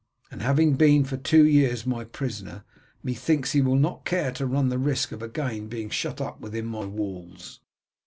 After having been for two years my prisoner, methinks he will not care to run the risk of again being shut up within my walls."